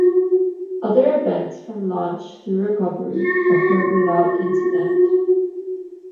Other events from launch through recovery occurred without incident.